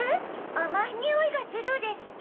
「あまいにおいがする」ですって？